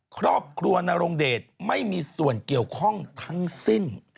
ครอบครัวนรงเดชไม่มีส่วนเกี่ยวข้องทั้งสิ้น